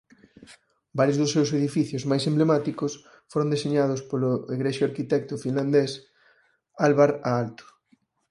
Varios dos seus edificios máis emblemáticos foron deseñados polo egrexio arquitecto finlandés Alvar Aalto.